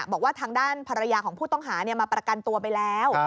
บอกว่าทางด้านภรรยาของผู้ต้องหามาประกันตัวไปแล้ว